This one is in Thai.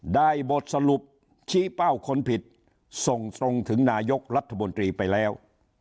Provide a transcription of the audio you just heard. บทสรุปชี้เป้าคนผิดส่งตรงถึงนายกรัฐมนตรีไปแล้ว